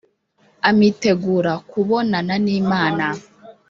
Am itegure kubonana n Imana